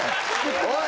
おい！